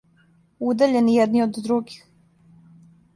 Удаљени једни од других.